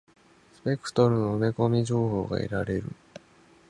スペクトルの埋め込み情報が得られる。